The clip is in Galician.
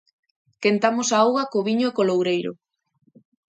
Quentamos a auga co viño e co loureiro.